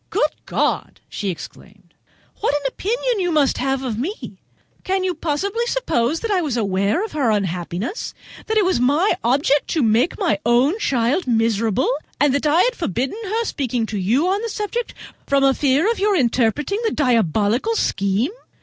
"Good God!" she exclaimed, "what an opinion you must have of me! Can you possibly suppose that I was aware of her unhappiness! that it was my object to make my own child miserable, and that I had forbidden her speaking to you on the subject from a fear of your interrupting the diabolical scheme?